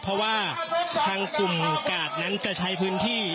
เพราะว่าทางกลุ่มกาดนั้นจะใช้พื้นที่